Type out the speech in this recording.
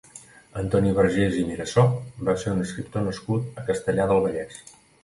Antoni Vergés i Mirassó va ser un escriptor nascut a Castellar del Vallès.